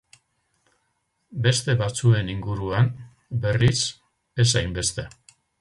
Beste batzuen inguruan, berriz, ez hainbeste.